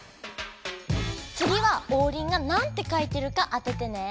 つぎはオウリンがなんて書いてるか当ててね。